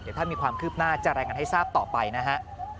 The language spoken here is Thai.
เดี๋ยวถ้ามีความคืบหน้าจะรายงานให้ทราบต่อไปนะฮะ